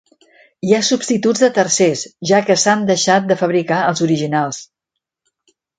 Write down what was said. Hi ha substituts de tercers, ja què s"han deixat de fabricar els originals.